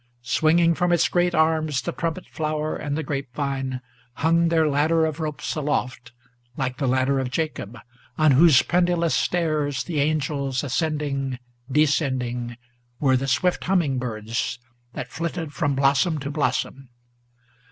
Swinging from its great arms, the trumpet flower and the grape vine Hung their ladder of ropes aloft like the ladder of Jacob, On whose pendulous stairs the angels ascending, descending, Were the swift humming birds, that flitted from blossom to blossom.